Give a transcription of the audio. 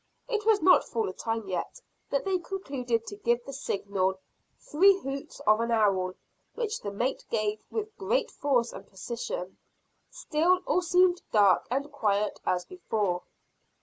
It was not full time yet, but they concluded to give the signal, three hoots of an owl; which the mate gave with great force and precision. Still all seemed dark and quiet as before.